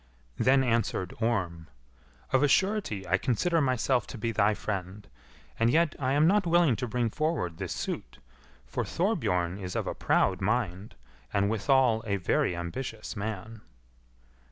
Then answered Orm, "Of a surety I consider myself to be thy friend, and yet am I not willing to bring forward this suit, for Thorbjorn is of a proud mind, and withal a very ambitious man."